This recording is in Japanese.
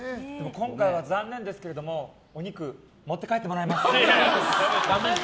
今回は残念ですけどもお肉持って帰ってもらいます。